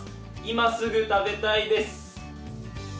今すぐ食べたいです。